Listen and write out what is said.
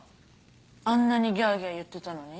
あんなにギャギャ言ってたのに？